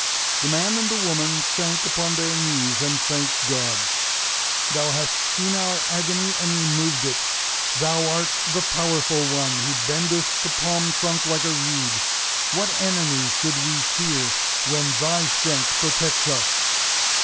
The man and the woman sank upon their knees and thanked God. "Thou hast seen our agony and removed it. Thou art the Powerful One who bendest the palm trunk like a reed. What enemy should we fear when Thy strength protects us?"